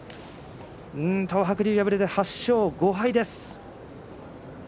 東白龍、敗れて８勝５敗です。